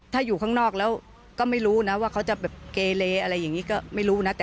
ถ้าอยู่ข้างนอกแล้วก็ไม่รู้นะว่าเขาจะแบบเกเลอะไรอย่างนี้ก็ไม่รู้นะ